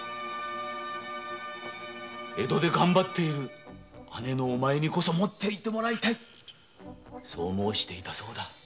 江戸で頑張っている姉のお前にこそ持っていてもらいたいとそう申していたそうだ。